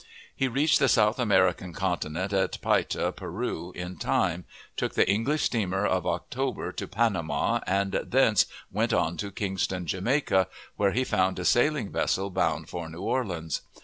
He reached the South American Continent at Payta, Peru, in time; took the English steamer of October to Panama, and thence went on to Kingston, Jamaica, where he found a sailing vessel bound for New Orleans.